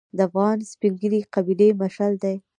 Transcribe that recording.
د افغان سپین ږیری د قبیلې مشعل دی.